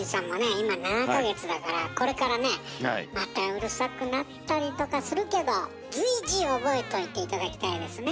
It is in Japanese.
今７か月だからこれからねまたうるさくなったりとかするけど随時覚えといて頂きたいですね。